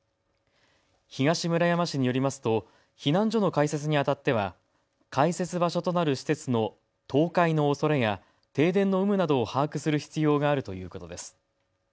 東村山市によりますと避難所の開設にあたっては開設場所となる施設の倒壊のおそれや停電の有無などを把握する必要があるということです。